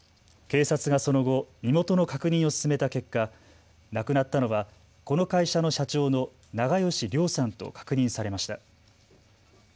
警察がその後、身元の確認を進めた結果、亡くなったのはこの会社の社長の長葭良さんと確認されました。